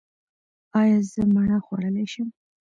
ایا زه مڼه خوړلی شم؟